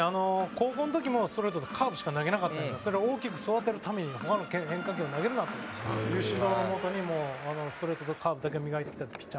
高校の時もストレートとカーブしか投げなかったんですけどそれを大きく育てるために他の変化球を投げるなという指導の下にストレートとカーブだけを磨いてきたピッチャーなんですけど。